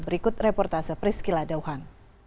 berikut reportase priskyla dauhan